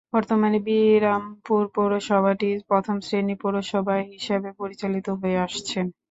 বর্তমানে বিরামপুর পৌরসভাটি প্রথম শ্রেণির পৌরসভা হিসাবে পরিচালিত হয়ে আসছে।